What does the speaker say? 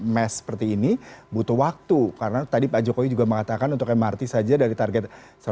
mes seperti ini butuh waktu karena tadi pak jokowi juga mengatakan untuk mrt saja dari target